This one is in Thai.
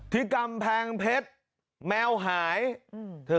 ที่กำแพงเพชรแมวหายอืม